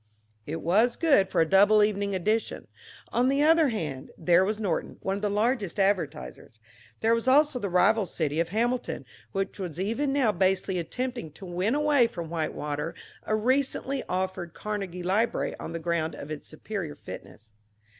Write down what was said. It was good for a double evening edition. On the other hand, there was Norton, one of his largest advertisers. There was also the rival city of Hamilton, which was even now basely attempting to win away from Whitewater a recently offered Carnegie library on the ground of its superior fitness.